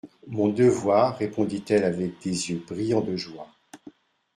Mon devoir, répondit-elle avec des yeux brillants de joie.